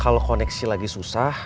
kalau koneksi lagi susah